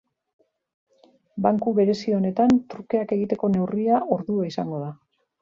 Banku berezi honetan, trukeak egiteko neurria ordua izango da.